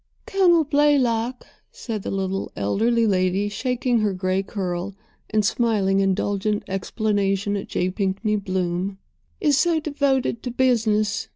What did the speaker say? "Colonel Blaylock," said the little elderly lady, shaking her gray curl and smiling indulgent explanation at J. Pinkney Bloom, "is so devoted to businesss.